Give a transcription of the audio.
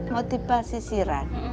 motifnya motif pasisiran